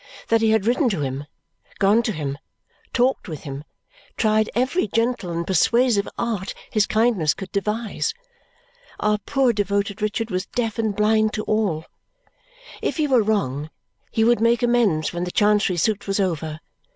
That he had written to him, gone to him, talked with him, tried every gentle and persuasive art his kindness could devise. Our poor devoted Richard was deaf and blind to all. If he were wrong, he would make amends when the Chancery suit was over.